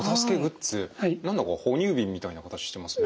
何だか哺乳瓶みたいな形してますね。